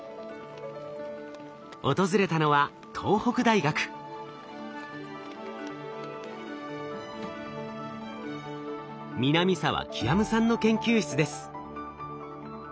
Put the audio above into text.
訪れたのは南澤究さんの研究室です。